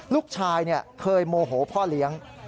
ลูกชายเคยโมโหพ่อเลี้ยง